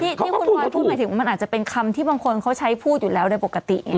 ที่คุณพลอยพูดหมายถึงมันอาจจะเป็นคำที่บางคนเขาใช้พูดอยู่แล้วโดยปกติไง